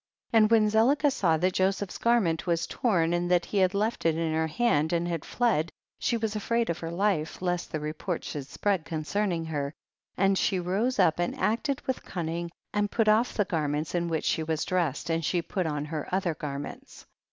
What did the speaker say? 55. And when Zelicah saw that Joseph's garment was torn, and that he had left it in her hand, and had fled, she was afraid of her life, lest the report should spread concerning her, and she rose up and acted with cun ning, and put off" the garments in which she was dressed, and she put on her other garments.